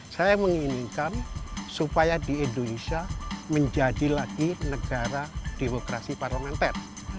saya menginginkan supaya di indonesia menjadi lagi negara demokrasi parlementer